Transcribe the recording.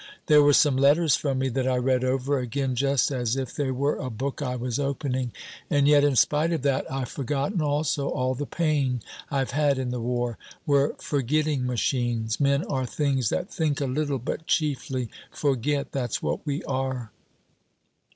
There were some letters from me that I read over again just as if they were a book I was opening. And yet in spite of that, I've forgotten also all the pain I've had in the war. We're forgetting machines. Men are things that think a little but chiefly forget. That's what we are."